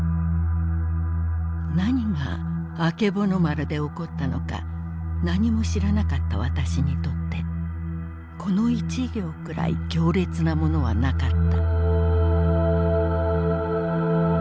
なにが『あけぼの丸』で起ったのかなにも知らなかった私にとってこの一行くらい強烈なものはなかった」。